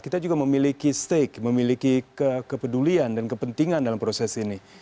kita juga memiliki stake memiliki kepedulian dan kepentingan dalam proses ini